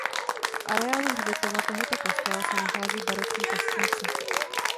V areálu hřbitova tohoto kostela se nachází barokní kostnice.